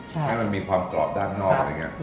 ให้มันมีความกรอบด้านนอกอะไรอย่างนี้